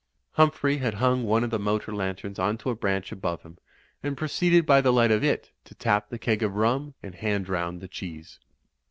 Humphrey had hung one of the motor lanterns onto a branch above him, and proceeded by the light of it to tap the keg of rum and hand round the cheese.